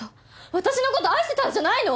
私の事愛してたんじゃないの！？